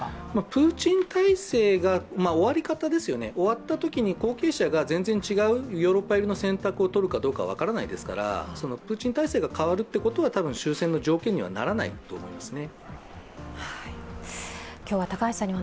プーチン体制が、終わり方ですよね、終わったときに、後継者が全然違うヨーロッパ寄りの選択をとるかどうか分からないですから、プーチン体制が変わるということは終戦の条件にはならないと思いますね。